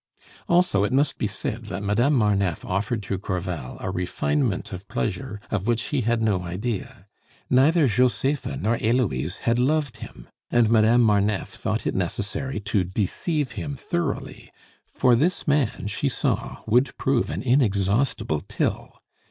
Also, it must be said that Madame Marneffe offered to Crevel a refinement of pleasure of which he had no idea; neither Josepha nor Heloise had loved him; and Madame Marneffe thought it necessary to deceive him thoroughly, for this man, she saw, would prove an inexhaustible till.